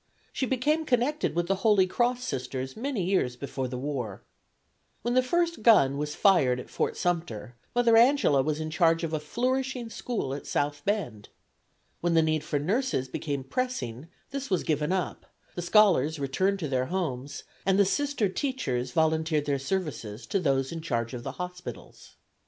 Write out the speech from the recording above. She became connected with the Holy Cross Sisters many years before the war. When the first gun was fired at Sumter Mother Angela was in charge of a flourishing school at South Bend. When the need for nurses became pressing this was given up, the scholars returned to their homes, and the Sister teachers volunteered their services to those in charge of the hospitals.